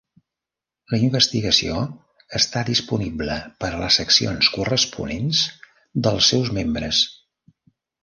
La investigació està disponible per a les seccions corresponents dels seus membres.